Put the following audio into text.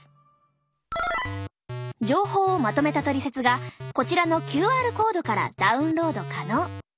情報をまとめたトリセツがこちらのＱＲコードからダウンロード可能。